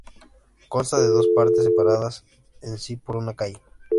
Consta de dos partes separadas en si por una calle.